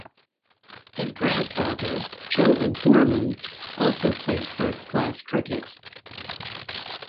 His grandfather, Joe O'Gorman, also played first-class cricket.